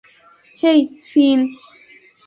হেই, ফিন।